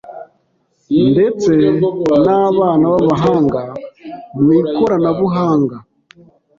Ndetse n’abana b’abahanga mu ikoranabuhanga